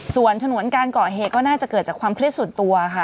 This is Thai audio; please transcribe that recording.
ส่วนฉนวนการก่อเหตุก็น่าจะเกิดจากความเครียดส่วนตัวค่ะ